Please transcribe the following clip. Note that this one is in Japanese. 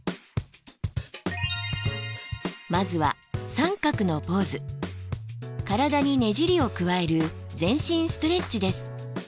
まずは体にねじりを加える全身ストレッチです。